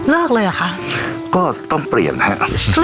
เลือกเลยหรอค่ะก็ต้องเปลี่ยนแฮะ